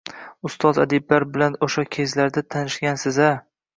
Ustoz adiblar bilan o`sha kezlarda tanishgansiz-a